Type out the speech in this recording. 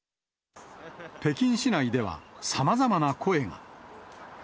北京市内では、さまざまな声が。